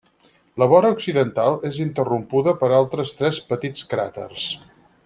La vora occidental és interrompuda per altres tres petits cràters.